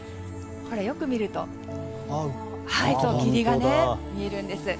これ、よく見ると霧が見えるんです。